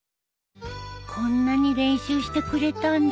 こんなに練習してくれたんだ